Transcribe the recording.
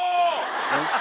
えっ？